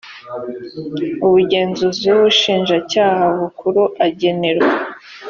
umugenzuzi w ubushinjacyaha bukuru agenerwa